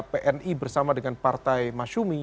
pni bersama dengan partai masyumi